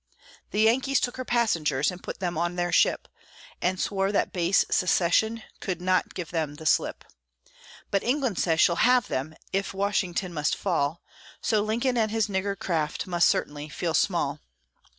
The Yankees took her passengers, and put them on their ship, And swore that base secession could not give them the slip; But England says she'll have them, if Washington must fall, So Lincoln and his "nigger craft" must certainly feel small.